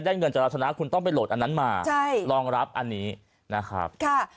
เงินจากเราชนะคุณต้องไปโหลดอันนั้นมารองรับอันนี้นะครับ